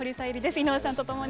井上さんと共に。